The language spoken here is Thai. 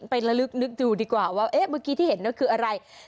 ไปละลึกนึกดูดีกว่าว่าเมื่อกี้ที่เห็นก็คืออะไร